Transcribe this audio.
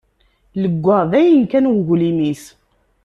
Leggaɣ dayen kan uglim-is.